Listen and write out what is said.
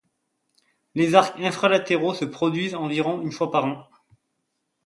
Les arcs infralatéraux se produisent environ une fois par an.